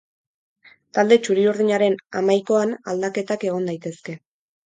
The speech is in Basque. Talde txuri-urdinaren hamaikoan aldeketak egon daitezke.